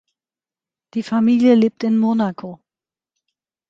Die Familie lebt in Monaco.